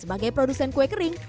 sebagai produsen kue kering